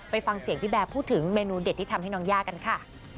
ไปฟังเสียงพี่แบร์พูดถึงเมนูเด็ดที่ทำให้น้องย่ากันค่ะ